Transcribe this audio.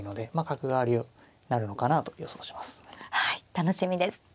楽しみです。